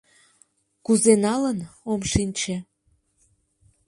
— Кузе налын, ом шинче.